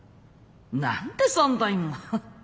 「何で３台も」。